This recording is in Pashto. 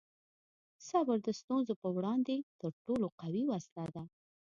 صبر د ستونزو په وړاندې تر ټولو قوي وسله ده.